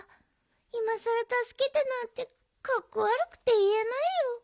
いまさらたすけてなんてかっこわるくていえないよ。